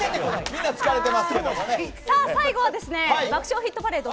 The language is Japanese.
最後は「爆笑ヒットパレード」